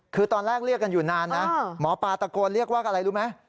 คือตอนแรกเรียกกันอยู่นานนะหมอปลาตะโกนเรียกว่าอะไรรู้ไหม